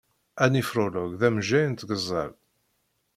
Anifrolog d amejjay n tgeẓẓal.